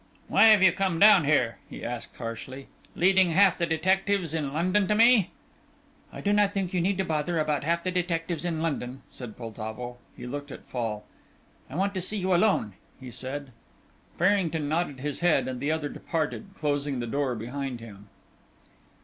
"Why have you come down here," he asked, harshly, "leading half the detectives in London to me?" "I do not think you need bother about half the detectives in London," said Poltavo. He looked at Fall. "I want to see you alone," he said. Farrington nodded his head and the other departed, closing the door behind him.